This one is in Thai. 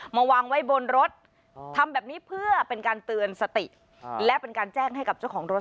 วางไว้บนรถทำแบบนี้เพื่อเป็นการเตือนสติและเป็นการแจ้งให้กับเจ้าของรถ